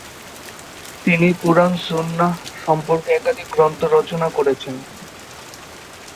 তিনি কুরআন সুন্নাহ সম্পর্কে একাধিক গ্রন্থ রচনা করেছেন।